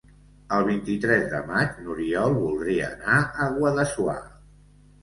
El vint-i-tres de maig n'Oriol voldria anar a Guadassuar.